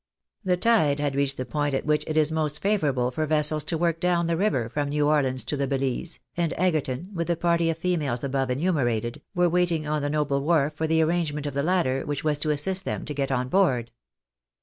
The tide had reached the point at which it is most favourable for vessels to work down the river from New Orleans to the Belize, and Egerton, with the party of females above enumerated, were waiting on the noble wharf for the arrangement of the ladder which was to assist them to get on board.